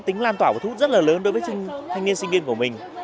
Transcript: thanh niên sinh viên của mình